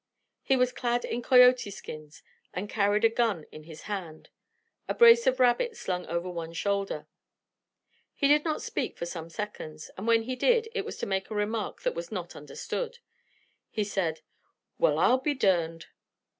He was clad in coyote skins, and carried a gun in his hand, a brace of rabbits slung over one shoulder. He did not speak for some seconds, and when he did, it was to make a remark that was not understood. He said: "Well, I'll be durned!"